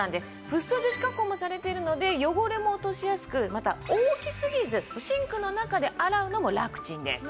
フッ素樹脂加工もされているので汚れも落としやすくまた大きすぎずシンクの中で洗うのもラクチンです。